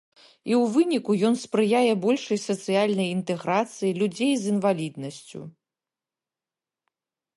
І ў выніку ён спрыяе большай сацыяльнай інтэграцыі людзей з інваліднасцю.